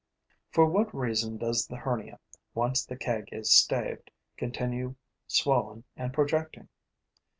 For what reason does the hernia, once the keg is staved, continue swollen and projecting?